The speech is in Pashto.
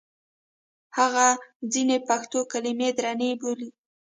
هغه ځینې پښتو کلمې درنې بولي.